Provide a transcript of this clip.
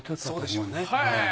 そうでしょうね。